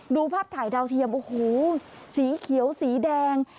ดูภาพถ่ายดาวเทียมโอ้โหสีเขียวสีแดง